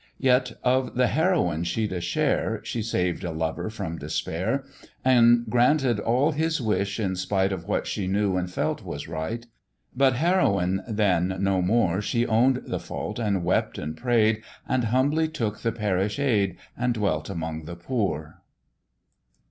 Yet of the heroine she'd a share, She saved a lover from despair, And granted all his wish in spite Of what she knew and felt was right: But, heroine then no more, She own'd the fault, and wept and pray'd And humbly took the parish aid, And dwelt among the poor.